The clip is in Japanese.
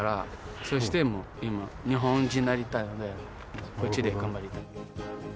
そしてもう今日本人になりたいのでこっちで頑張りたい。